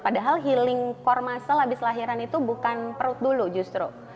padahal healing core muscle abis lahiran itu bukan perut dulu justru